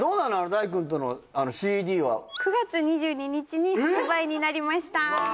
大くんとのＣＤは９月２２日に発売になりましたうわ